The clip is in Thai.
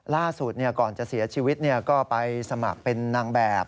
ล่าสุดก่อนจะเสียชีวิตก็ไปสมัครเป็นนางแบบ